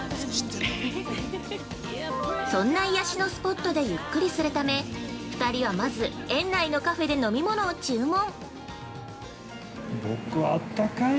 そんな癒しのスポットでゆっくりするため、２人はまず園内のカフェで飲み物を注文。